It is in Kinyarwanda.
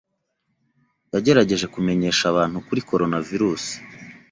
Yagerageje kumenyesha abantu kuri coronavirus,